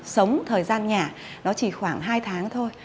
sống thời gian nhà nó chỉ khoảng hai tháng thôi